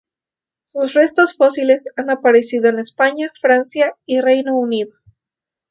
Sus restos fósiles han aparecido en España, Francia y Reino Unido.